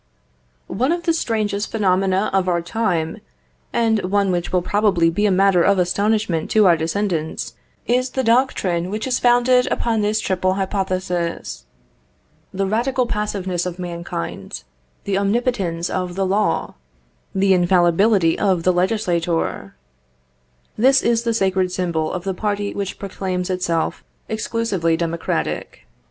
One of the strangest phenomena of our time, and one which will probably be a matter of astonishment to our descendants, is the doctrine which is founded upon this triple hypothesis: the radical passiveness of mankind, the omnipotence of the law, the infallibility of the legislator: this is the sacred symbol of the party which proclaims itself exclusively democratic.